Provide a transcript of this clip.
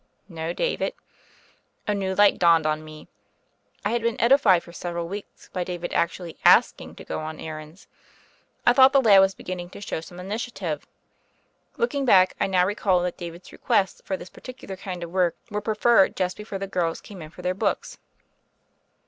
"No, David." A new light dawned on me. I had been edi fied for several weeks by David's actually ask ing to go on errands. I thought the lad was beginning to show some initiative. Looking back, I now recalled that David's requests for this particular kind of work were proffered just before the girls came in for their books.